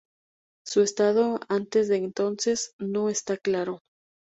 Su estado antes de entonces no está claro.